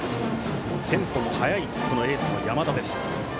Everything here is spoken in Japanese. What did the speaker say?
テンポも早いエースの山田です。